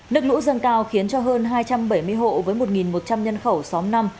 nước lũ dâng cao khiến cho hơn hai trăm bảy mươi hộ với một một trăm linh nhân khẩu xóm năm